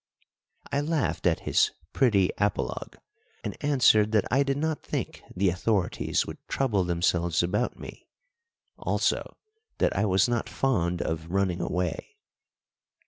I laughed at his pretty apologue, and answered that I did not think the authorities would trouble themselves about me also that I was not fond of running away.